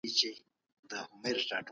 هغه تر اوسه له خلګو سره نېکي کړې ده.